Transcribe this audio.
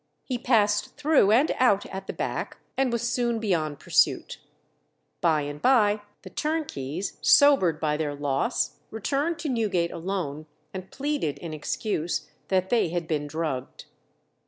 He passed through and out at the back, and was soon beyond pursuit. By and by the turnkeys, sobered by their loss, returned to Newgate alone, and pleaded in excuse that they had been drugged.